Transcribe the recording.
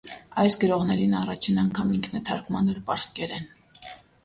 Այս գրողներին առաջին անգամ ինքն է թարգմանել պարսկերեն։